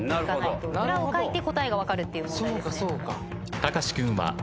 裏をかいて答えが分かるっていう問題。